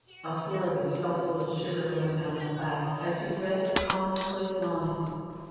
Oscarovitch felt a little shiver run down his back as he read the commonplace lines.